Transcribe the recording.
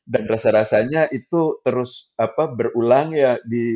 rasa rasanya itu terus berulang ya